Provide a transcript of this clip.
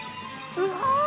すごい！